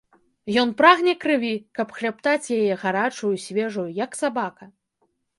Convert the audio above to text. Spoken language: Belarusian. Ён прагне крыві, каб хлябтаць яе гарачую, свежую, як сабака.